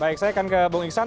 baik saya akan ke bung iksan